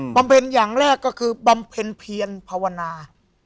ำเพ็ญอย่างแรกก็คือบำเพ็ญเพียรภาวนา